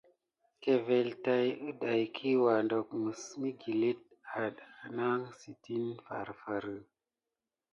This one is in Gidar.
Kevele tät adakiwa doko məs məgillite anahansitini farfarə.